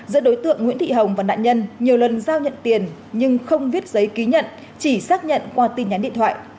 giữa đối tượng nguyễn thị hồng và nạn nhân nhiều lần giao nhận tiền nhưng không viết giấy ký nhận chỉ xác nhận qua tin nhắn điện thoại